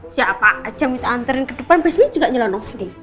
siapa aja minta antarin ke depan presiden juga nyelonong sendiri